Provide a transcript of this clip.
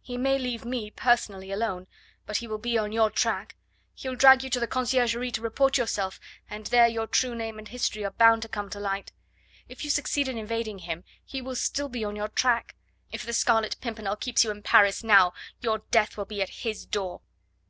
He may leave me, personally, alone; but he will be on your track; he'll drag you to the Conciergerie to report yourself, and there your true name and history are bound to come to light. If you succeed in evading him, he will still be on your track. If the Scarlet Pimpernel keeps you in Paris now, your death will be at his door."